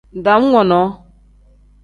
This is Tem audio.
Dam wonoo.